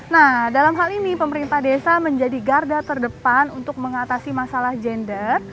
nah dalam hal ini pemerintah desa menjadi garda terdepan untuk mengatasi masalah gender